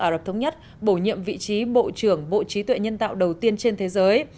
ả rập thống nhất bổ nhiệm vị trí bộ trưởng bộ trí tuệ nhân tạo đầu tiên trên thế giới